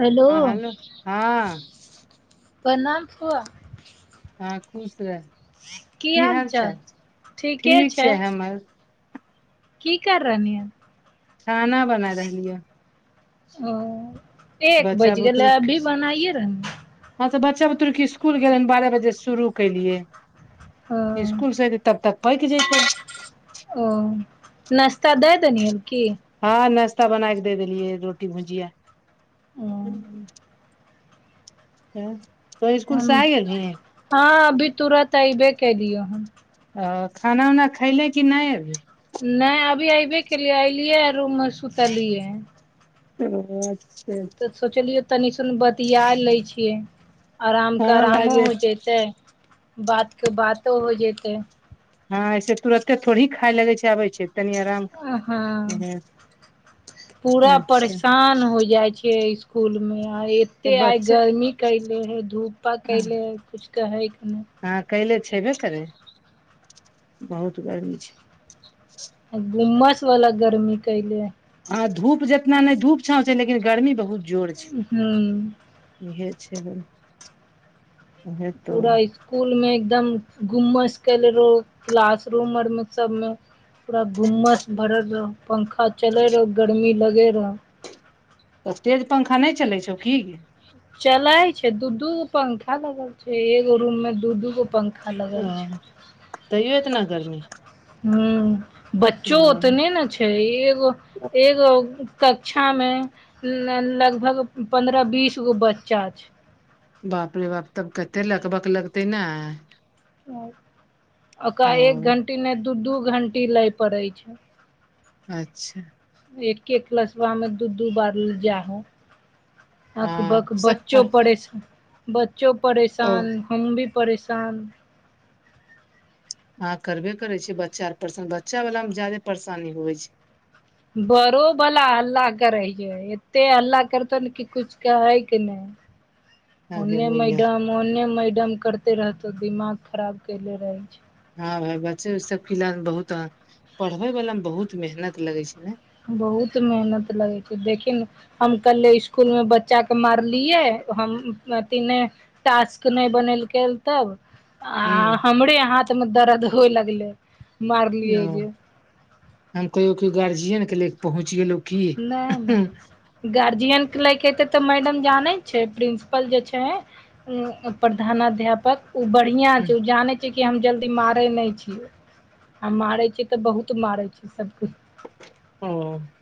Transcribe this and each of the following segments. hello हँ हँ प्रणाम फुआ हँ खुश रहे की हाल चाल ठीक छै हमर की कर रहलि हन खाना बनाय रहलियै ओ एक बच्चा बज गेलै बुतरुक अभी बनाइए रहल हँ तऽ बच्चा बुतुक स्कुल गेलय बारह बजे शुरू कयेलिये स्कूल ओ से एतै तब तक पक जेतय ओ नास्ता दए देलियैन की हँ नाश्ता बनाई क द देलियै रोटी भुजिया ओ त तो इसकुल से हम आ गेल हँ अभी तुरत अऐबे कलियौ हम अ खाना उना खैले कि नय अभी नहि अभी अऐबे केलियै ऐलियै रूम मे सुतलियै ओ अच्छा तऽ सोचलियै तनिसन बतिया लै छियै आराम के हँ आरामो भायजी हो जैतै बात के बातो हो जतै हँ ऐसे तुरते थोड़ी ही खाय लगे छै आबे छै तनी आराम हँ हम्म, पूरा अच्छा परेशान हो जाइ छियै स्कूल मे आ तऽ कतेक आइ बच्चे गर्मी कयले हइ धूपा कैले हइ कुछ कहैके नहि हँ कलै छेबे करै बहुत गर्मी छै घुम्मस वाला गर्मी केले है ह धूप जितना ने धूप छौं छै लेकिन गर्मी बहुत जोर छै हूं इहे छै उहे तो पूरा एक इकुल मे एकदम घुमस केले रहो क्लासरूम आरमे सबमे पूरा घुम्मस भरल रह पंखा चले रहो गर्मी लगे रह तऽ स्टेज पंखा नहि चलै छौ की चलाय छै दू दूगो पंखा लगल छै एगो रूम में दू दूगो पंखा लगल छै ह तैयो एतना गर्मी हू ओ बच्चो ओतने ने छै एगो एगो कक्षा मे लगभग पन्द्रह बीस गो बच्चा छै बाप रे बाप तब कते लकबक लगते ने ओकरा ओ एक घंटी नहि दू दू घंटी लय पड़ै छै अच्छा एक एक लसबा मे दू दू बार जाहो हँ अकबक सब बच्चो पर परेशान बच्चो ओ परेशान हम भी परेशान ह करबे करे छै बच्चा परेशान बच्चा वाला मे ज्यादे परेशानी होइ छै बड़ो बला हल्ला करय छै एते हल्ला करतन की कुछ कहे के नहि [inaudible] आगे ओन्ने मैया मैडम ओन्ने मैडम करते रहतौ दिमाग खराब कले रहै छै हँ भाई बच्चे सब किल बहुत पढ़बे वाला मे बहुत मेहनत लगे छै ने बहुत मेहनत लगैत छै देखि ने हम कले स्कूल मे बच्चा के मारलियै हम अथी नहि टास्क नहि बनेलकै तब आ हूँ हमरे हाथ मे दर्द होए लगलै मारलियए ओ जे हम कहियौ कि गार्जियन के ले पहुँच गेलहु की गार्जियनके लैके एतै तऽ मैडम जानै छै प्रिंसिपल जे छै उ प्रधानाध्यापक ओ बढ़िया छै ओ जानैत जे कि हम जल्दी मारै नहि छी हम मारै छी तऽ बहुत मारै छै सबकुछ ह [inaudible]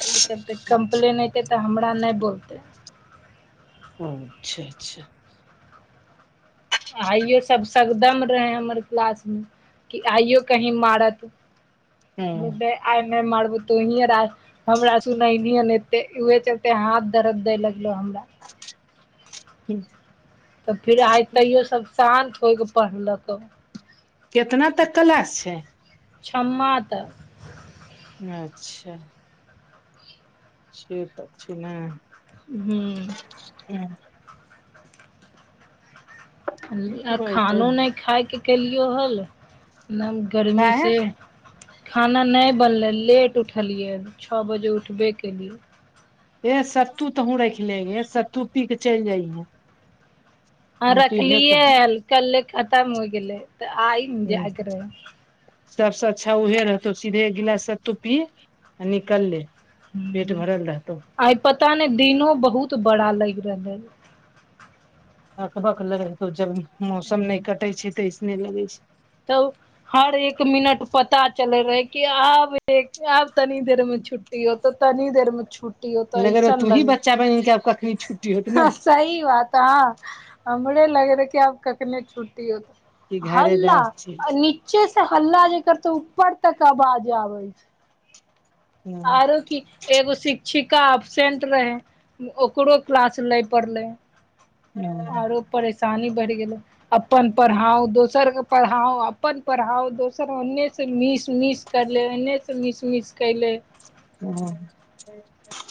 आ ओई चलतै कम्प्लेन अयतै तऽ हमरा नहि बोलतै ओ अच्छा अच्छा आइयो सब सकदम रहे हमर क्लास मे कि आइयो कही मारत [inaudible] ह हमरा सुनैले न एते उहे चलते हाथ दर्द दै लगलो हमरा ह्म तऽ फेर आइ तैयो सब शान्त होइ कऽ पढ़लक केतना तक क्लास छै छम्म तक अच्छा से त छै न हम्म हँ आ खानो नइ खाय कऽ केलियै हल न काहे गर्मीसँ खाना नै बनलै लेट उठलियै छओ बजे उठबे केलियै ए सत्तू तुहूं रख ले सत्तू पी के चलि जाइ है ह रखलियए कहब हल [unintelligible] कले खतम हो गेलै तऽ आइ ने जागर सबस अच्छा ऊहे रहतौ सीधे गिलास से तुप्पी आ निकल ले पेट हूँ भरल रहतौ आइ पता नहि दिनो बहुत बड़ा लग रहल है अकबक लगो जब मौसम नै कटे छै तऽऐसने लगे छै तब हर एक मिनट पता चलै रहै कि आब आब तनी देर में छुटी टी हो तऽ तनी देर में छुटी हो तऽ लगेर ऐसन तूही बच्चा बनि कऽ आब कखनी छुट्टी होत ने लगे सही बात हँ हमे लगे रहे कि आब कखने छुटी हो त कि घरे हल्ला जाउ चलि नीचे से हल्ला करतो ऊपर तक आबाज आबै हँ आरो की एगो शिक्षिका अब्सेंट रहे ओकरो क्लास लै पड़ले [inaudible] आरो परेशानी बढ़ि गेलै अपन पढ़ाउ दोसर के पढ़ाउ अपन पढ़ाउ दोसर ओने से मिस मिस करले ओहिनेसँ मिस मिस कएलै ह [inaudible]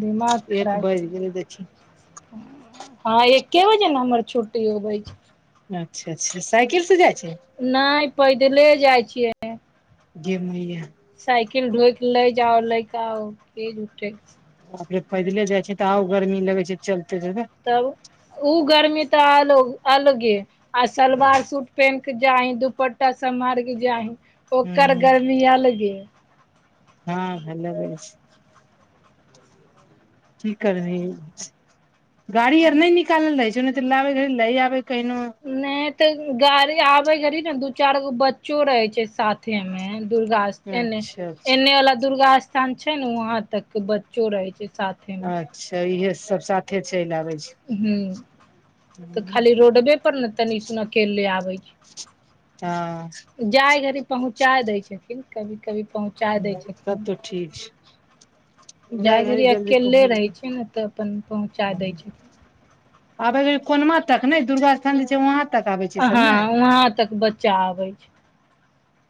दिमाग खराब बाजि गेलै देखी हँ एक्के बजे ने हमर छुट्टी होबै छै अच्छा अच्छा साइकिलसँ जाइ छही नय पैदले जाइ छियै गमइए साइकिल ढोइके लै जाउ लै कठै आ फेर पैदले जाइ छै तऽ आउ गर्मी लगै छै चलते त तब ओ गर्मी तऽ आलो अलगे आ सलवार सूट पेहेन क जा ही दुपट्टा सब मार क जा ही ओकर हूँ गर्मी अलगे हँ भल रहस कि कर बही गाड़ी आर नहि निकालल रहै छै न च लबे घी लै आ कईनो नें तऽ गाड़ी आबे घड़ी ने दू चार गो बच्चो रहे छै साथे में दुर्गा एने अच्छा अच्छा एने वाला दुर्गा स्थान छै ने वहां तक बच्चो रहे छै साथ अच्छा इहे सब साथे चलि आबै छै ह तऽ खाली रोडवे पर ने तनीस अकेल ले आबै छै हँ जाइ घड़ी पहुँचा दै छथिन कभी कभी पहुँच तब तऽ ठीक छै जाय जाइ घड़ी घरि जल्दी अकेले रहै पहुँच छै ने तऽ अपन पहुँचा दै छै आबे छै कोनमा तक ने दुर्गा स्थान जे छै वहां तक आबे छै सब हँ ने वहां तक बच्चा आबे छै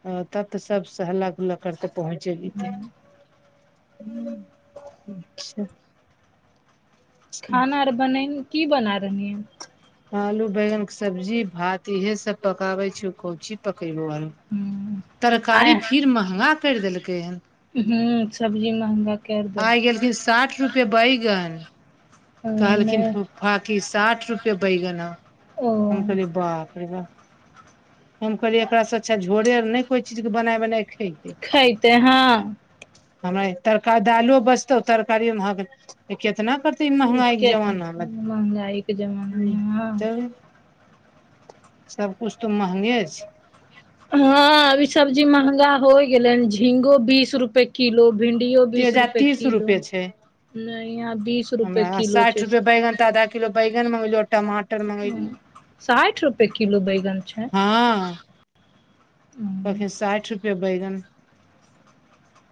ह तब तऽ सब स हल्ला गुल्ला करते पहुँचे छै जतै ह अच्छा खाना आर बन की बना रहलहियै आलू बैगन के सब्जी भात इहे सब पकाबे छै को ची पको आर हन आय तरकारी फिर महंगा करि देलकै हन ह सब्जी महंगा कैर आइ देलकै गेलखिन साठि रुपे बैगन कहलखिन नहि फाकी साठि रुपआ बैगन ओ हम कहलिय बापरेगा हम कहलियै एकरासँ अच्छा झोरे आर नहि कोइ चीजके बनाय बनाए खेतै खैते हँ हमरा तरकार दालो बचतौ तरकारी मे ह केितना करतौ क महगा एक केतना जमाना म महंगाई के जमाना ह मे हँ त [inaudible] सबकुछु तऽ महंगे छै हँ अभ सब्जी महंगा हो गेले हन झींगो बीस रुपए किलो भिंडियो बीस तेजा रुपए तीस किलो रुपए छै नहि अहाँ बीस रुपए हमरा आ किलो छै साठि रुपए बैगन आधा किलो बैगन मंगलिय टमाटर मगैलिय साठि रुपए किलो बैगन छै हँ हम्म, कहलखिन साठि रुपए बैगन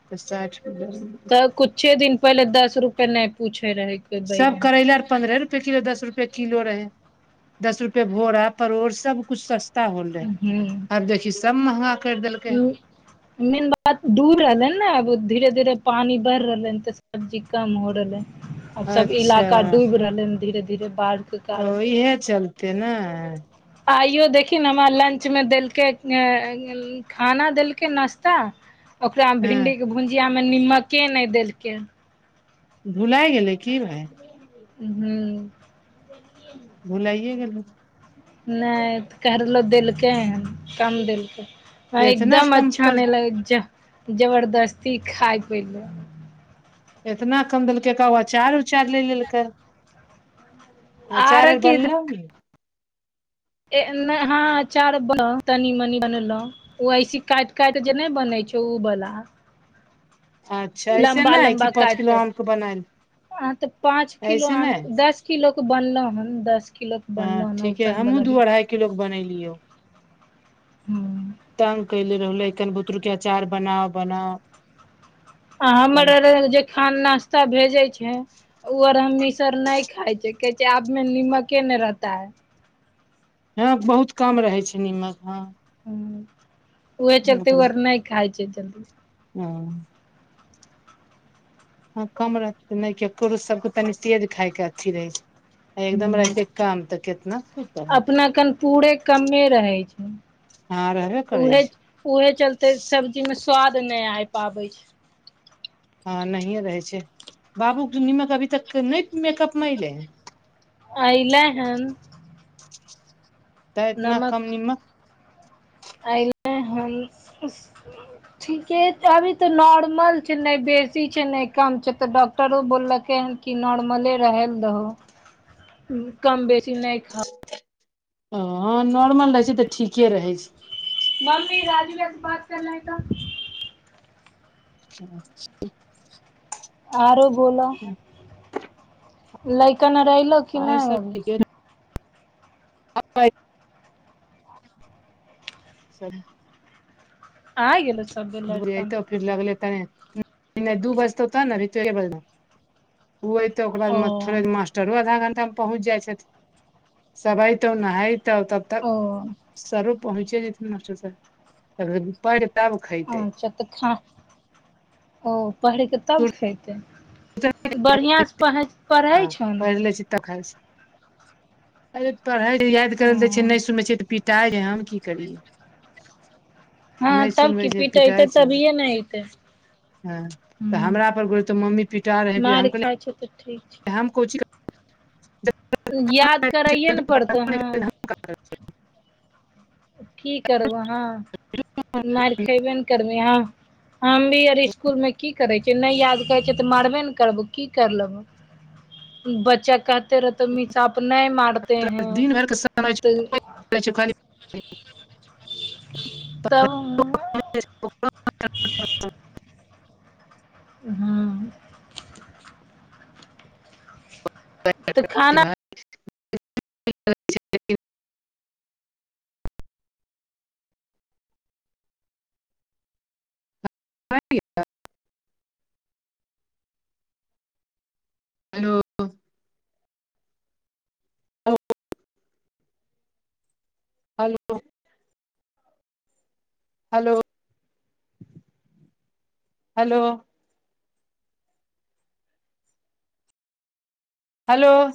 तऽ साठि रुपैया तऽ कुछे दिन पहिले दस रुपे नहि पूछे रहे सब बैगन करैले पन्द्रह रुपए किलो दस रुपए किलो रहै दस रुपे भोरा परोड़ सब कुछ सस्ता हो रहै आब देखि सब महंगा कर देलकै ह [inaudible] मेन बात दूर रहलै ने अब धीरे धीरे पानी बढ़ रहलै हन ते सब्जी कम हो रहलै आब सब अच्छा इलाका डूबि रहल है धीरे धीरे बाढ़ के ओ कारण इहे चलते ने आइयो देखिन हमरा लंच में देलकै खाना देलकै नाश्ता ओकरामे हँ भिण्डी के भुजिया में नीमके नहि देलकै भुलाय गेलै की भाय हू भुलाइए गेलै होतौ नहि तऽ कहलो देलकै हन कम देलकै तऽ एतना एकदम कम अच्छा पर नहि लगे जबरदस्ती खाय पिय ले एतना कम देलकै कब अचार उचार ले लेलकै त अचार आर बनल ने ए हँ अचार ब तनी मनी बनेलो ओ ऐसे काटि काटि जे नहि बनै छै ओ बला अच्छा ऐसे लम्बा नहि कि लम्बा पाँच काटि किलो आम के बनायल काट अह तऽ पाँच किलो ऐसे आम नहि दस किलो क बनलो हन दस किलो के हँ बनलहुँ हन ठीके औसन हमहूँ बला दू भी अढ़ाई किलो के बनेलियौ ह तंग कले रहले कन बुतरुके अचार बनाउ बनाउ आ कहली, हमरर जे खान नाश्ता भेजैत छै ओ आर हम मिसर नहि खााय छ कहै छै आब मे नीमके ने रहता है ह बहुत काम रहे छै नीमक हँ ह उह चलते ओर नहि खााय छै जल्दी हूँ हँ कम रह नहि के कु सबके तनी तेज खायके अच्छी रहै छै आ एकदम रहै ह छै कम तऽ केतना खेबै अपना कन पूरे कमे रहै छ हँ रहबे करै उहे छै उहे चलते सब्जी में स्वाद ने आ पाबै छै हँ नहिए रहै छै बाबू के नीमक अभी तक ने मेकअप में एले अइले हन तऽ इतना कम नमक आइ न हई ठीके छै अभी त नॉर्मल छै ने बेसी छै नै कम छै त डॉक्टर डॉक्टरो बोलकै ह कि नॉर्मले रह दो कम बेसी नै खाओ ओ नॉर्मल रहै छै तऽ ठीके रहै छै मम्मी राजीव भैया से बात करना ह अचा आरो बोल लैकन रहिल की नहि आ स [inaudible] आय गेल सब लड़का अयतौ फिर लगल लेता ने दू बजत ने बना ओ ते ओकर ओ बाद थोड़े मास्टरो आधा घण्टा पहुँच जाइ छथि सब आइतौ नहतौ तब तक ओ सरूप पहुँचे जेते मास्टरटर साहब पढ़ के अच्छा त खा ओ पहिर क तब खेत बढ़िया सँ पढ़े हँ पढ़ लेछी तखन से अरे पढ़े याद ओ करल दै छै नहि सुनै छियै त पिटाई हम की करि हँ नहि तब सुनबै की छै पिटेतै पिटाइ छै तभिए ने अयतै ह तऽ हमरा पर गो तो मम्मी पिटा रहे मार हम क खाइ छै तऽ ठीक छ हम कोचि याद करैए ने पड़तो न की करबै हाँ मारि खयबे ने करबह अहाँ हम भी अरी इसकुलमे की करै छियै नहि याद करै छियै तऽ मरबे ने करबौ की कर लेबै बच्चा कहते रहतेऽ मिसाप नहि मारते हैं तऽ ले छ खाली तब हं तऽ खाना [inaudible] [inaudible] हेलो [inaudible] हेलो हेलो हेलो